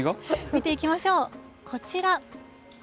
見ていきましょう、こちら。